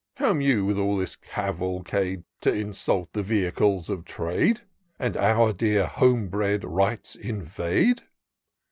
Come you with all this cavalcade T' insult the vehicles of trade, And our dear, home bred rights invade